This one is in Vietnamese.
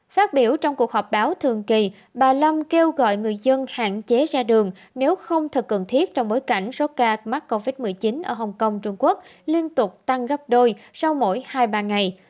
phát biểu trong cuộc họp báo thường kỳ bà long kêu gọi người dân hạn chế ra đường nếu không thật cần thiết trong bối cảnh số ca mắc covid một mươi chín ở hồng kông trung quốc liên tục tăng gấp đôi sau mỗi hai ba ngày